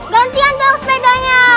gantian dong sepedanya